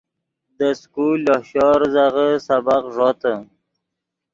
دے سکول لوہ شور ریزغے سبق ݱوتے